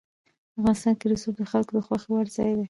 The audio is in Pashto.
افغانستان کې رسوب د خلکو د خوښې وړ ځای دی.